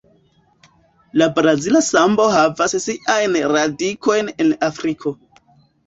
La brazila sambo havas siajn radikojn en Afriko.